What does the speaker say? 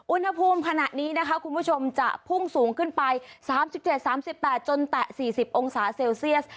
อุณหภูมิขณะนี้นะคะคุณผู้ชมจะพุ่งสูงขึ้นไป๓๗๓๘จนแตะ๔๐องศาเซลเซียส